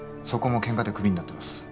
そこもケンカでクビになってます